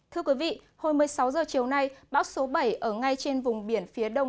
thưa quý vị hồi một mươi sáu h chiều nay bão số bảy ở ngay trên vùng biển phía đông